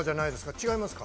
違いますか？